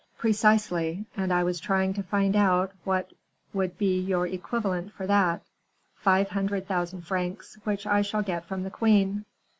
"Precisely; and I was trying to find out what would be your equivalent for that." "Five hundred thousand francs, which I shall get from the queen."